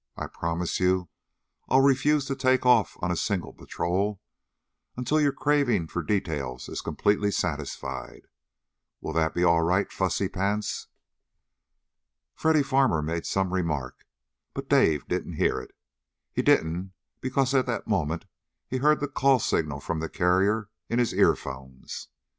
I promise you, I'll refuse to take off on a single patrol until your craving for details is completely satisfied. Will that be all right, fussy pants?" Freddy Farmer made some remark, but Dave didn't hear it. He didn't because at that moment he heard the call signal from the carrier in his earphones.